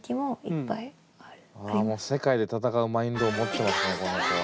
世界で戦うマインドを持ってますね